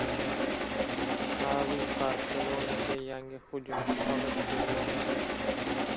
Xavi "Barselona"ga yangi hujumchi olib kelmoqchi